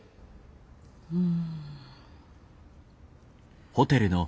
うん。